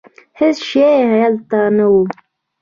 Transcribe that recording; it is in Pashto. هېڅ شی هلته نه و.